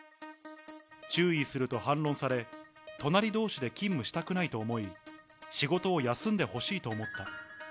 注意すると反論され、隣どうしで勤務したくないと思い、仕事を休んでほしいと思った。